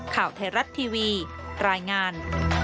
ข่าวไทยรัฐทีวีรายงาน